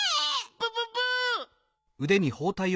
プププ！